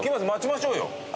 待ちましょうよ